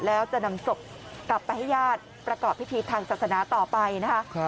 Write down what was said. แล้วจะนำศพกลับไปให้ญาติประกอบพิธีทางศาสนาต่อไปนะคะ